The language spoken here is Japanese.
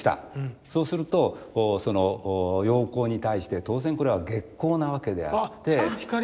そうすると陽光に対して当然これは月光なわけであって。